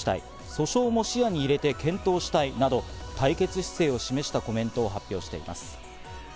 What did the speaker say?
訴訟も視野に入れて検討したいなど、対決姿勢を示したコメントを発表しています。